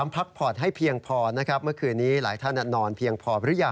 ๓พักผ่อนให้เพียงพอ